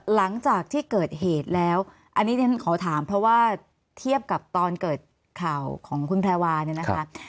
หลังจากที่เกิดเหตุแล้วอันนี้ฉันขอถามเพราะว่าเทียบกับตอนเกิดข่าวของคุณแพรวาเนี่ยนะคะ